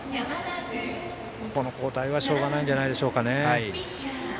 ここの交代はしょうがないんじゃないでしょうか。